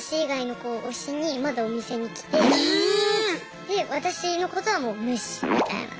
で私のことはもう無視！みたいな。